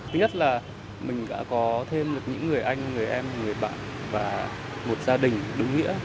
thứ nhất là mình đã có thêm được những người anh người em người bạn và một gia đình đúng nghĩa